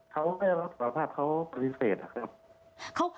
เขาก็รับสารภาพเขาปฏิเสธนะครับ